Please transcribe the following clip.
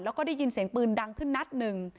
แล้วก็ได้ยินเสียงปืนดังขึ้นนัดหนึ่ง